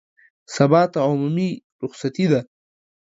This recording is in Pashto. سبا ته عمومي رخصتي ده